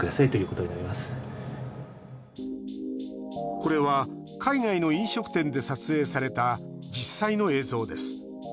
これは海外の飲食店で撮影された実際の映像です。